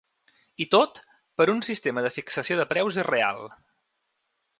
I tot, per un sistema de fixació de preus irreal.